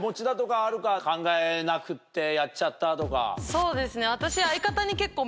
そうですね私。